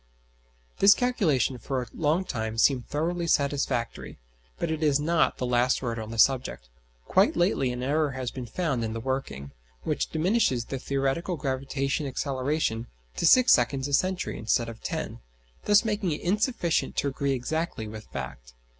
This calculation for a long time seemed thoroughly satisfactory, but it is not the last word on the subject. Quite lately an error has been found in the working, which diminishes the theoretical gravitation acceleration to six seconds a century instead of ten, thus making it insufficient to agree exactly with fact.